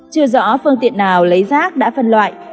chưa rõ phương tiện nào lấy rác đã phân loại